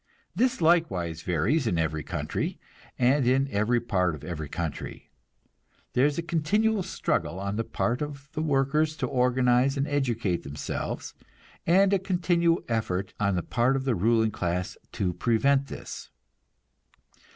This likewise varies in every country, and in every part of every country. There is a continual struggle on the part of the workers to organize and educate themselves, and a continual effort on the part of the ruling class to prevent this.